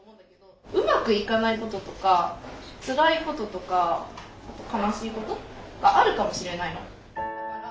うまくいかないこととかつらいこととか悲しいことがあるかもしれないの。